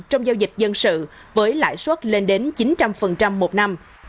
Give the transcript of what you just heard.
trong giao dịch dân sự với lãi suất lên đến chín trăm linh một năm